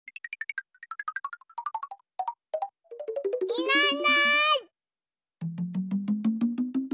いないいない。